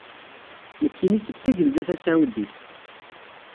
Nekkini seg Tagelda Tasaɛudit.